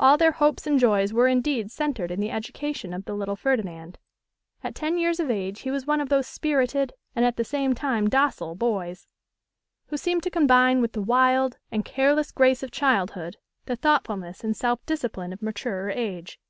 All their hopes and joys were indeed centred in the education of the little Ferdinand. At ten years of age he was one of those spirited and at the same time docile boys, who seem to combine with the wild and careless grace of childhood the thoughtfulness and self discipline of maturer age.